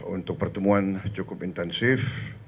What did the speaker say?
untuk pertemuan cukup intensif